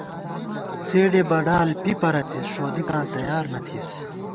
څېڈے بَڈال پی پَرَتِس ، ݭودِکاں تیار نہ تھِس